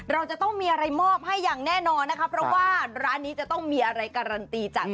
เราจะต้องมีอะไรมอบให้อย่างแน่นอนนะคะเพราะว่าร้านนี้จะต้องมีอะไรการันตีจาก